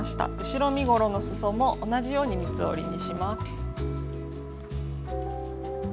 後ろ身ごろのすそも同じように三つ折りにします。